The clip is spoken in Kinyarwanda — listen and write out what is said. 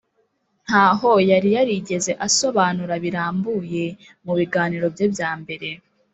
Ntaho yari yarigeze asobanura birambuye mu biganiro bye bya mbere